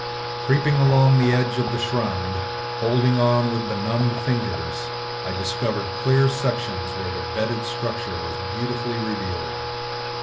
Creeping along the edge of the schrund, holding on with benumbed fingers, I discovered clear sections where the bedded structure was beautifully revealed.